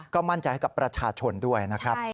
ก็มั่นใจให้กับประชาชนด้วยนะครับ